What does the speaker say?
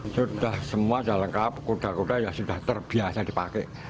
sudah semua sudah lengkap kuda kuda yang sudah terbiasa dipakai